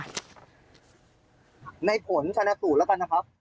ในผลชนะสูตรแล้วกันนะครับ